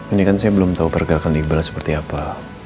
ini kan saya belum tahu pergerakan iqbal seperti apa